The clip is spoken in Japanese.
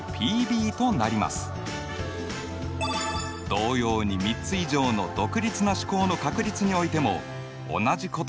同様に３つ以上の独立な試行の確率においても同じことが成り立ちます。